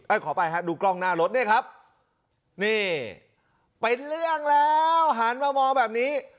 ขอไปฮะดูกล้องหน้ารถเนี่ยครับนี่เป็นเรื่องแล้วหันมามองแบบนี้